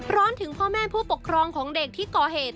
ถึงพ่อแม่ผู้ปกครองของเด็กที่ก่อเหตุ